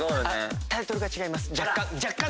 タイトルが違います若干。